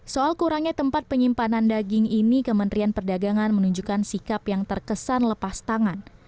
soal kurangnya tempat penyimpanan daging ini kementerian perdagangan menunjukkan sikap yang terkesan lepas tangan